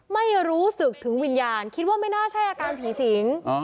ไม่รู้สึกถึงวิญญาณคิดว่าไม่น่าใช่อาการผีสิง